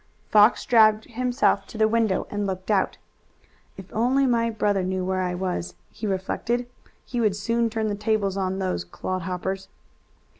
Fox dragged himself to the window and looked out. "If only my brother knew where I was," he reflected, "he would soon turn the tables on those clodhoppers."